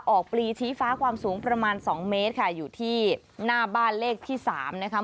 ปลีชี้ฟ้าความสูงประมาณสองเมตรค่ะอยู่ที่หน้าบ้านเลขที่สามนะคะ